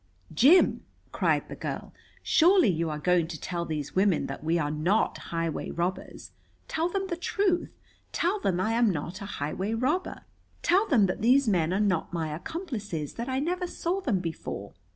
"Jim," cried the girl, "surely you are going to tell these women that we are not highway robbers. Tell them the truth. Tell them I am not a highway robber. Tell them that these men are not my accomplices, that I never saw them before."